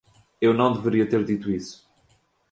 Eu não deveria ter dito isso!